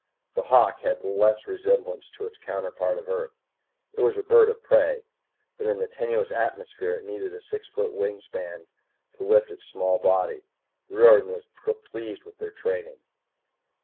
The "hawk" had less resemblance to its counterpart of Earth: it was a bird of prey, but in the tenuous atmosphere it needed a six foot wingspread to lift its small body. Riordan was pleased with their training.